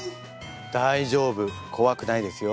大丈夫怖くないですよ。